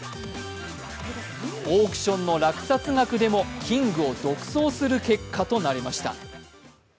オークションの落札額でもキングを独走する結果となりました。